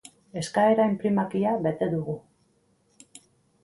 Eskaera-inprimakia bete dugu.